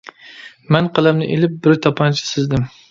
مەن قەلەمنى ئېلىپ بىر تاپانچا سىزدىم.